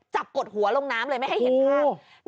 กดหัวลงน้ำเลยไม่ให้เห็นภาพ